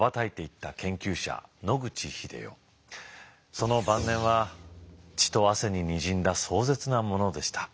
その晩年は血と汗に滲んだ壮絶なものでした。